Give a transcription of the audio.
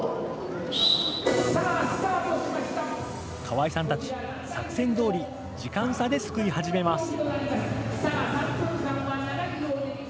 川井さんたち、作戦どおり、時間差ですくい始めます。